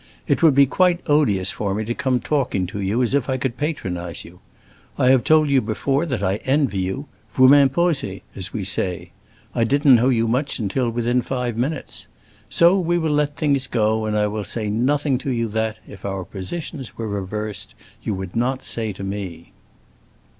It would be quite odious for me to come talking to you as if I could patronize you. I have told you before that I envy you; vous m'imposez, as we say. I didn't know you much until within five minutes. So we will let things go, and I will say nothing to you that, if our positions were reversed, you would not say to me."